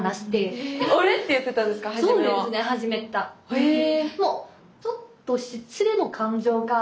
へえ。